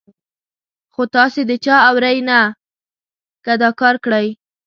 خو تاسې د چا اورئ نه، که دا کار کړئ.